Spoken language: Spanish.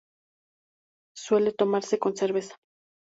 Suele tomarse con cerveza.